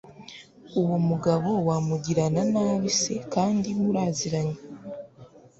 uwo mugabo wumugirana nabi se kandi muraziranye!